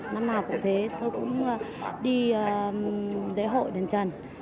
năm nào cũng thế tôi cũng đi lễ hội đền trần